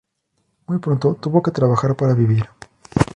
Muy pronto tuvo que trabajar para vivir.